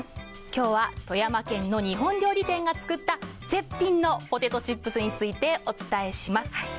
今日は富山県の日本料理店が作った絶品ポテトチップスについてお伝えします。